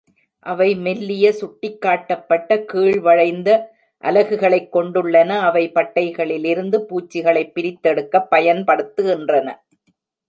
அவை மெல்லிய சுட்டிக்காட்டப்பட்ட கீழ்-வளைந்த அலகுகளைக் கொண்டுள்ளன, அவை பட்டைகளிலிருந்து பூச்சிகளைப் பிரித்தெடுக்கப் பயன்படுத்துகின்றன.